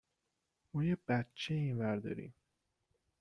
ما یک بچه این ور داریم